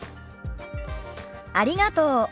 ありがとう。